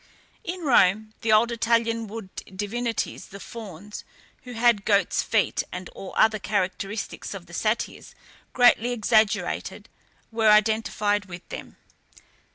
In Rome the old Italian wood divinities, the FAUNS, who had goats' feet and all other characteristics of the Satyrs greatly exaggerated, were identified with them.